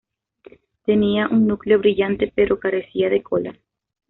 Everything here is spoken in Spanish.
Tenía un núcleo brillante, pero carecía de cola.